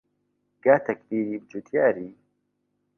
گا تەکبیری جووتیاری